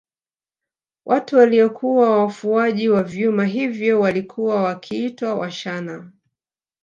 Watu waliokuwa wafuaji wa vyuma hivyo walikuwa wakiitwa Washana